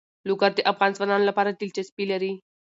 لوگر د افغان ځوانانو لپاره دلچسپي لري.